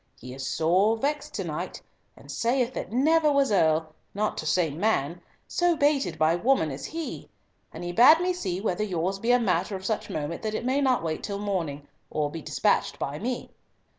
He is sore vexed to night, and saith that never was Earl, not to say man, so baited by woman as he, and he bade me see whether yours be a matter of such moment that it may not wait till morning or be despatched by me."